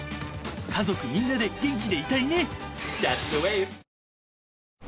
家族みんなで元気でいたいね。